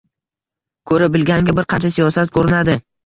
Ko‘ra bilganga bir qancha siyosat ko‘rinadi.